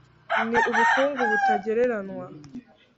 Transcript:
ni ubukungu butagereranywa.